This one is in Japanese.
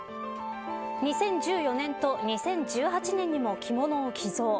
２０１４年と２０１８年にも着物を寄贈。